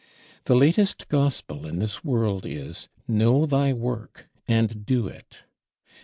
The latest Gospel in this world is, Know thy work and do it.